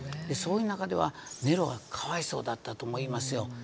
そういう中ではネロはかわいそうだったと思いますよ。